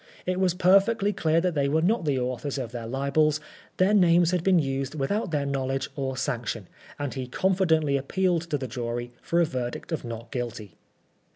It was perfectly clear that they were not the authors of the libels ; their names had been used without their knowledge or sanction ; and he confidently ap pealed to the jury for a verdict of Not Guilty.